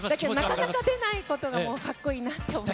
なかなか出ないことがかっこいいなって思いました。